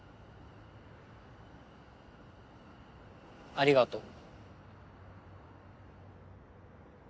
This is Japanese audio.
ありがとう。